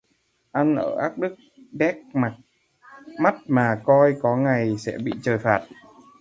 Ăn ở ác đức, béc mắt mà coi có ngày sẽ bị Trời phạt